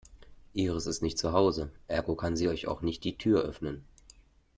Iris ist nicht zu Hause, ergo kann sie euch auch nicht die Tür öffnen.